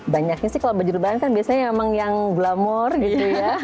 banyaknya sih kalau baju bahan kan biasanya emang yang glamor gitu ya